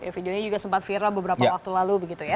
videonya juga sempat viral beberapa waktu lalu begitu ya